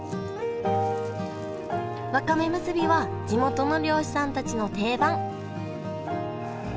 わかめむすびは地元の漁師さんたちの定番へえ。